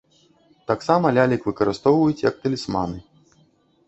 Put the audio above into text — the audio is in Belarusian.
Таксама лялек выкарыстоўваюць як талісманы.